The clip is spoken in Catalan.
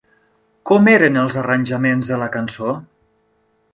Com eren els arranjaments de la cançó?